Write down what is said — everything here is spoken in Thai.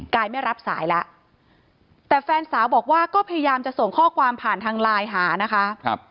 กายไม่รับสายแล้วแต่แฟนสาวบอกว่าก็พยายามจะส่งข้อความผ่านทางไลน์หานะคะ